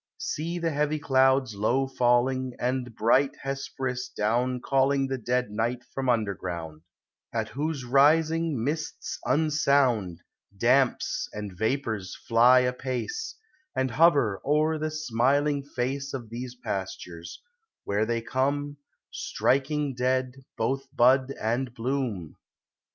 See the heavy clouds low falling And bright Hesperus down calling The dead night from underground; At whose rising, mists unsound, Damps and vapors, fly apace, And hover o'er the smiling face Of these pastures; where they come, Striking dead both bud and bloom.